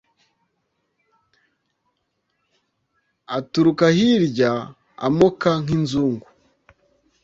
Aturuka hirya amoka nk'inzungu